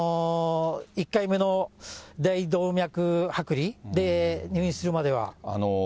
１回目の大動脈剥離で入院するまでは。